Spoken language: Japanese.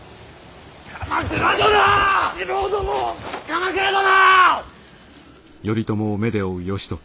鎌倉殿！